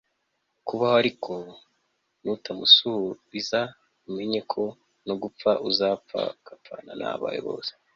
kubaho Ariko nutamumusubiza umenye ko no gupfa uzapfa ugapfana n abawe bose